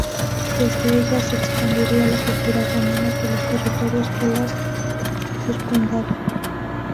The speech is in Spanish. Desde ellas se expandiría la cultura romana por los territorios que las circundaban.